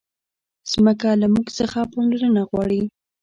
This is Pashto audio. مځکه له موږ څخه پاملرنه غواړي.